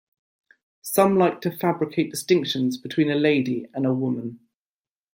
Some like to fabricate distinctions between a lady and a woman.